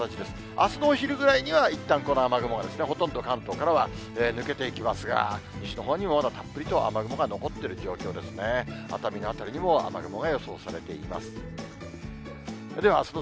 あすのお昼ぐらいにはいったんこの雨雲がほとんど関東からは抜けていきますが、西のほうにもまだたっぷりと雨雲が残っている状況ですね。